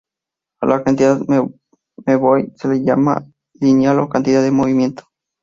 A la cantidad m v se le llama momento lineal o cantidad de movimiento.